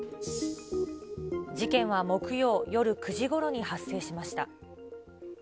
事件は木曜夜９時ごろに発生しました。